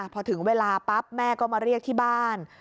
พอถึงเวลาปั๊บแม่ก็มาเรียกที่บ้าน